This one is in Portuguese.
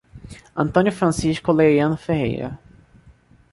Antônio Francisco Oleriano Ferreira